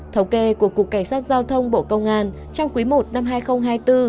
thống kê của cục cảnh sát giao thông bộ công an trong quý i năm hai nghìn hai mươi bốn